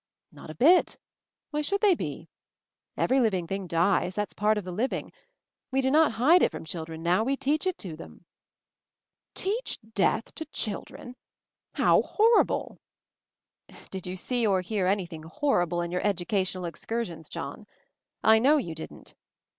"Not a bit. Why should they be? Every living thing dies; that's part of the living. We do not hide it from children now, we teach it to them." "Teach death — to children! How horri ble 1" "Did you see or hear anything horrible in your educational excursions, John? I know you didn't.